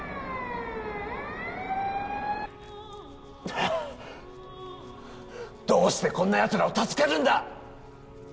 はっどうしてこんなヤツらを助けるんだ！？